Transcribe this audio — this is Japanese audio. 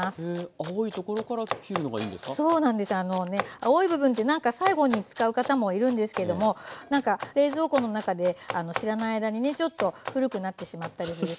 青い部分ってなんか最後に使う方もいるんですけれどもなんか冷蔵庫の中で知らない間にねちょっと古くなってしまったりするし。